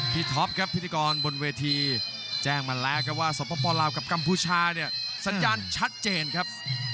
ท็อปครับพิธีกรบนเวทีแจ้งมาแล้วครับว่าสปลาวกับกัมพูชาเนี่ยสัญญาณชัดเจนครับ